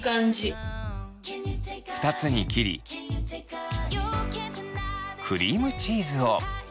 ２つに切りクリームチーズを。